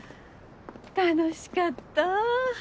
楽しかった。